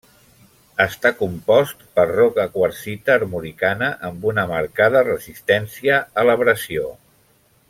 Està compost per roca quarsita armoricana amb una marcada resistència a l'abrasió.